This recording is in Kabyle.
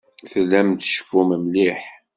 Tellam tceffum mliḥ.